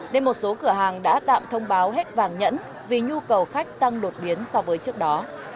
nên một số cửa hàng đã đạm thông báo hết vàng nhẫn vì nhu cầu khách tăng đột biến so với trước đó